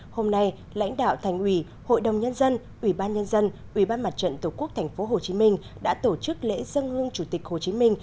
hôm nay lãnh đạo thành ủy hội đồng nhân dân ủy ban nhân dân ủy ban mặt trận tổ quốc tp hcm đã tổ chức lễ dân hương chủ tịch hồ chí minh